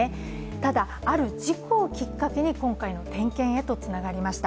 ただ、ある事故をきっかけに今回の点検へとつながりました。